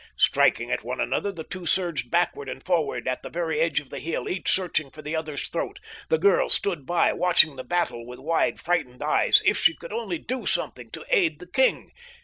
Striking at one another, the two surged backward and forward at the very edge of the hill, each searching for the other's throat. The girl stood by, watching the battle with wide, frightened eyes. If she could only do something to aid the king!